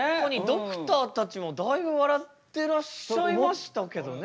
ドクターたちもだいぶ笑ってらっしゃいましたけどね。